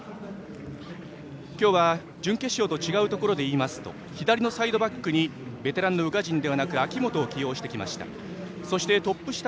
今日は準決勝と違うところでいいますと左のサイドバックにベテランの宇賀神ではなく明本を起用してきました。